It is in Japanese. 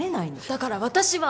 だから私は。